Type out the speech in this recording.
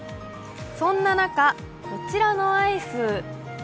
そんな中、こちらのアイス。